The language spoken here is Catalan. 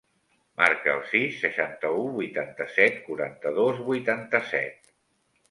Marca el sis, seixanta-u, vuitanta-set, quaranta-dos, vuitanta-set.